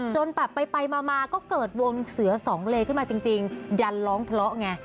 จนแบบไปมาก็เกิดวงเสือสองเลขึ้นมาจริงดันร้องเพราะไง